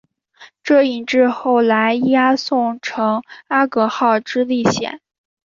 这引致后来伊阿宋乘阿格号之历险。